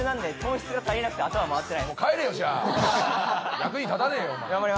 役に立たねえよお前。